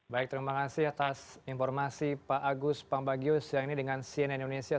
baik terima kasih atas informasi pak agus pambagius yang ini dengan cnn indonesia